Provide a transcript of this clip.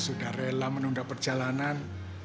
sudah rela menunda perjalanan